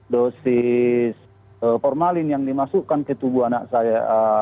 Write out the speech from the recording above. dosis formalin yang dimasukkan ke tubuh anak saya